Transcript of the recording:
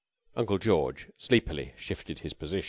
Uncle George sleepily shifted his position.